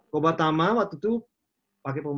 kobatama at that time